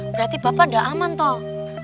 berarti bapak udah aman toh